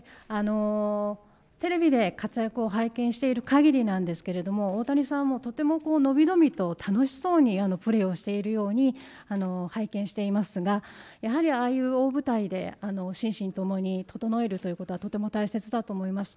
テレビで活躍を拝見している限りなんですけれども大谷さんはとても伸び伸びと、楽しそうにプレーをしているように拝見していますが、やはりああいう大舞台で心身ともに整えるということは、とても大切だと思います。